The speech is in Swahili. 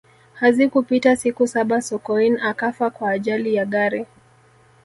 hazikupita siku saba sokoine akafa kwa ajali ya gari